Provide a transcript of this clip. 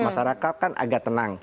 masyarakat kan agak tenang